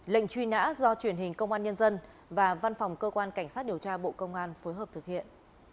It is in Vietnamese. lệnh truy nã do truyền hình công an nhân dân và văn phòng cơ quan cảnh sát điều tra bộ công an phối hợp thực hiện